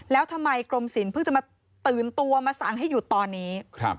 แล้วทำไมกรมศิลปเพิ่งจะมาตื่นตัวมาสั่งให้หยุดตอนนี้